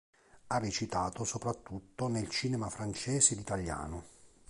Ha recitato soprattutto nel cinema francese ed italiano.